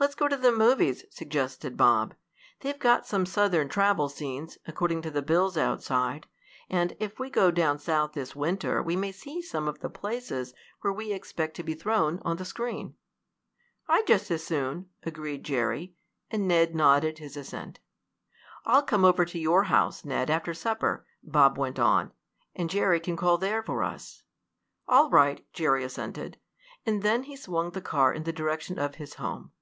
"Let's go to the movies," suggested Bob. "They've got some Southern travel scenes, according to the bills outside, and if we go down South this winter we may see some of the places where we expect to be thrown on the screen." "I'd just as soon," agreed Jerry, and Ned nodded his assent. "I'll come over to your house, Ned, after supper," Bob went on, "and Jerry can call there for us." "All right," Jerry assented, and then he swung the car in the direction of his home.